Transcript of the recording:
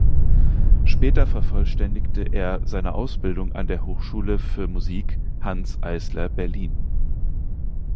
Später vervollständigte er seine Ausbildung an der Hochschule für Musik Hanns Eisler Berlin.